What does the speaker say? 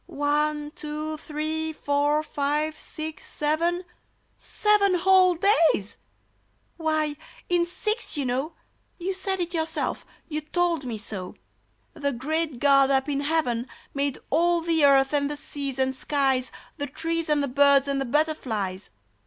*'One, two, three, four, five, six, seven! — Seven whole days ! Why, in six you know (You said it yourself — you told me so) The great GOD up in heaven Made all the earth and the seas and skies, The trees and the birds and the butterflies